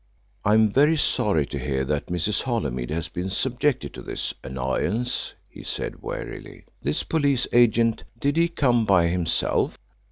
"I am very sorry to hear that Mrs. Holymead has been subjected to this annoyance," he said warily. "This police agent, did he come by himself?"